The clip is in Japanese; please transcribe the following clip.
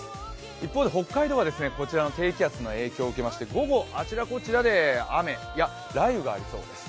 一方で北海道はこちらの低気圧の影響を受けまして午後あちらこちらで雨、雷雨がありそうです。